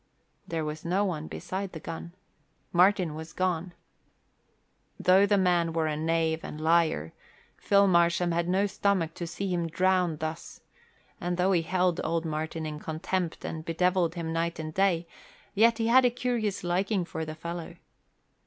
There was no one beside the gun: Martin was gone. Though a man were a knave and liar, Phil Marsham had no stomach to see him drown thus; and though he held old Martin in contempt and bedevilled him night and day, yet he had a curious liking for the fellow.